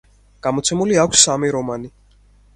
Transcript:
გამოცემული აქვს სამი რომანი.